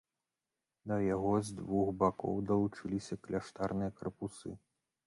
Да яго з двух бакоў далучаліся кляштарныя карпусы.